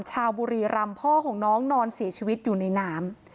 บุรีรำพ่อของน้องนอนเสียชีวิตอยู่ในน้ำ